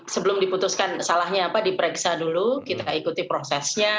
sebelum diputuskan salahnya apa diperiksa dulu kita ikuti prosesnya